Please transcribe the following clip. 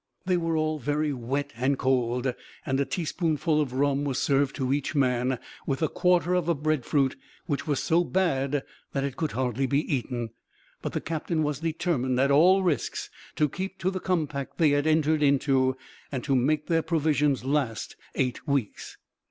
They were all very wet and cold, and a teaspoonful of rum was served to each man, with a quarter of a breadfruit which was so bad that it could hardly be eaten; but the captain was determined at all risks to keep to the compact they had entered into, and to make their provisions last eight weeks.